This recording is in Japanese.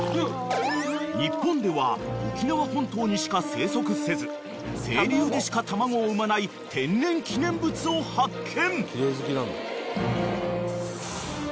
［日本では沖縄本島にしか生息せず清流でしか卵を産まない天然記念物を発見］